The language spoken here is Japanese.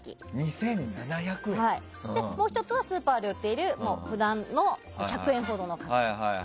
もう１つはスーパーで売ってる普段の１００円ほどの柿。